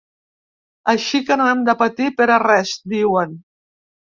Així que no hem de patir per a res, diuen.